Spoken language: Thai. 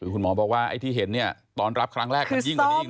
คุณหมอบอกว่าไอ้ที่เห็นเนี่ยตอนรับครั้งแรกมันยิ่งกว่านี้อีกนะ